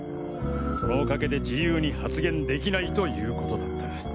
そのお陰で自由に発言できないという事だった。